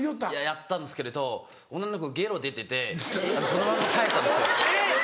やったんですけれど女の子ゲロ出ててそのまま帰ったんですよ。